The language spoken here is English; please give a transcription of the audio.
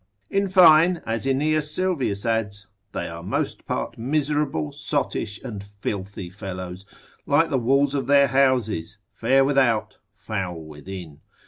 In fine, as Aeneas Sylvius adds, they are most part miserable, sottish, and filthy fellows, like the walls of their houses, fair without, foul within.